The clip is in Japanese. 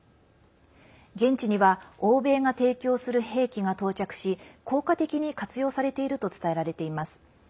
現地には欧米が提供する兵器が到着し効果的に活用されていると伝えられています。